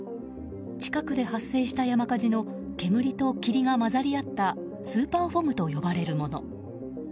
近くで発生した山火事の煙と霧が混ざり合ったスーパーフォグと呼ばれるもの。